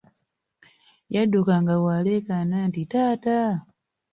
Yadduka nga bw'aleekaana nti, taata!